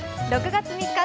６月３日